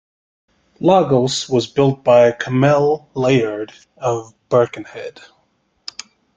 "Lagos" was built by Cammell Laird of Birkenhead.